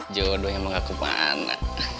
jodohnya mau gak kemana